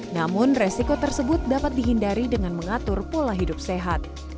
namun resiko tersebut dapat dihindari dengan mengatur pola hidup sehat